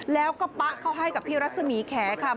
แล้วก็ปะเข้าให้กับพี่รัศมีแขค่ะ